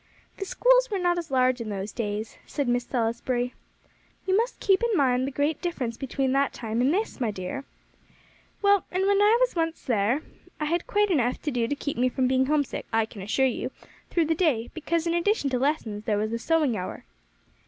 "The schools were not as large in those days," said Miss Salisbury. "You must keep in mind the great difference between that time and this, my dear. Well, and when I was once there, I had quite enough to do to keep me from being homesick, I can assure you, through the day; because, in addition to lessons, there was the sewing hour."